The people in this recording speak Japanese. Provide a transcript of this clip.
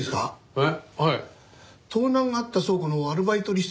えっ？